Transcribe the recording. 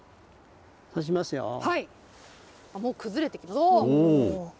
もう崩れてきました。